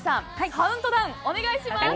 カウントダウンお願いします。